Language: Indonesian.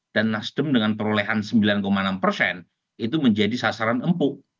dan nasdem dengan perolehan sembilan enam persen itu menjadi sasaran empuk